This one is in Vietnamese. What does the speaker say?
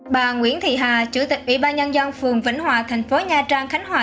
bà nguyễn thị hà chủ tịch ủy ban nhân dân phường vĩnh hòa thành phố nha trang khánh hòa